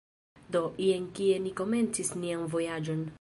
Do, jen kie ni komencis nian vojaĝon